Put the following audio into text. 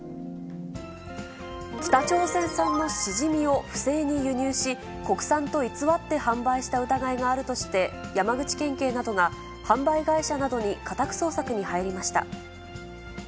北朝鮮産のシジミを不正に輸入し、国産と偽って販売した疑いがあるとして、山口県警などが販売会社などに家宅捜索に入りました。